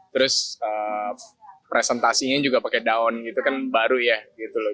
terus presentasinya juga pakai daun gitu kan baru ya gitu loh